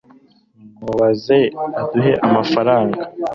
Mubaze aduhe amafaranga